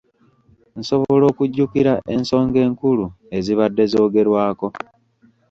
Nsobola okujjukira ensonga enkulu ezibadde zoogerwako?